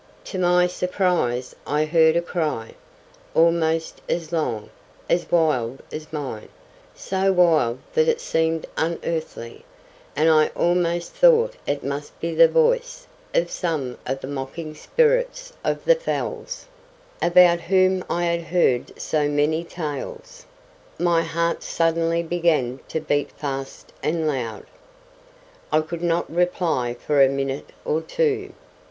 To my surprise I heard a cry—almost as long, as wild as mine—so wild that it seemed unearthly, and I almost thought it must be the voice of some of the mocking spirits of the Fells, about whom I had heard so many tales. My heart suddenly began to beat fast and loud. I could not reply for a minute or two.